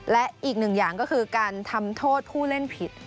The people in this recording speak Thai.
และอีกหนึ่งอย่างก็คือการทำโทษผู้เล่นผิด